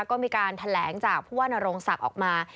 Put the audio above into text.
ก็มีการแถลงจากผู้ว่านโรงศักดิ์ออกมา